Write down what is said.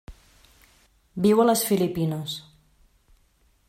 Viu a les Filipines.